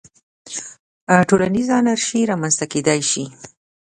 ټولنیزه انارشي رامنځته کېدای شي.